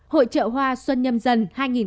hội trợ hoa xuân nhâm dân hai nghìn hai mươi hai